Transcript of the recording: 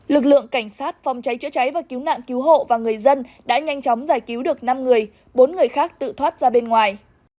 lực lượng cảnh sát phòng cháy chữa cháy và cứu nạn cứu hộ và người dân đã nhanh chóng giải cứu được năm người bốn người khác tự thoát ra bên ngoài